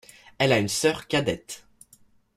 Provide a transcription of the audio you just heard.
Elle a une sœur cadette.